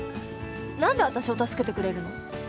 何で私を助けてくれるの？